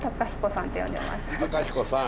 公彦さん。